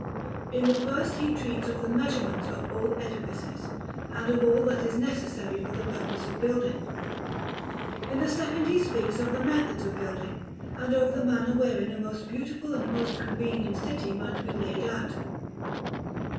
In the first he treats of the measurements of all edifices, and of all that is necessary for the purpose of building. In the second he speaks of the methods of building, and of the manner wherein a most beautiful and most convenient city might be laid out.